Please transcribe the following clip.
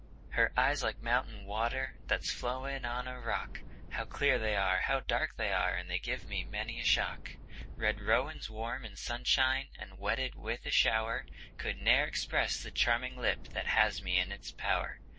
Her eyes like mountain water that's flowing on a rock, How clear they are, how dark they are! and they give me many a shock. Red rowans warm in sunshine and wetted with a shower, Could ne'er express the charming lip that has me in its power.